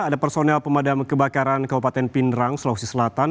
ada personel pemadam kebakaran kabupaten pindrang sulawesi selatan